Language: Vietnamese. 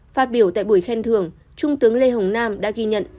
phát biểu tại buổi khen thưởng trung tướng lê hồng nam đã ghi nhận